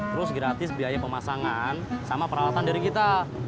terus gratis biaya pemasangan sama peralatan dari kita